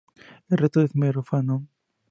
El resto es mero "fanon".